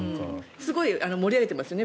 すごい盛り上げてますよね